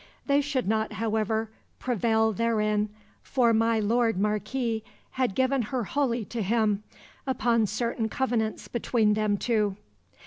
They should not, however, prevail therein, for my Lord Marquis had given her wholly to him, upon certain covenants between them two.